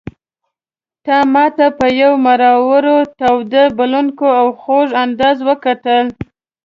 تا ماته په یو مړاوي تاوده بلوونکي او خوږ انداز وکتل.